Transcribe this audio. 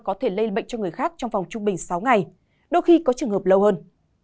có thể lây bệnh cho người khác trong vòng trung bình sáu ngày đôi khi có trường hợp lâu hơn